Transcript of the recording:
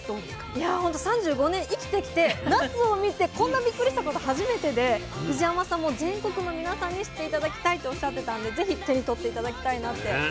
いやほんと３５年生きてきてなすを見てこんなビックリしたこと初めてで藤山さんも全国の皆さんに知って頂きたいとおっしゃってたんで是非手に取って頂きたいなって思いました。